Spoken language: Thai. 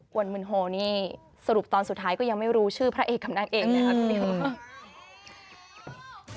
วนมึนโฮนี่สรุปตอนสุดท้ายก็ยังไม่รู้ชื่อพระเอกกับนางเอกเลยครับคุณนิว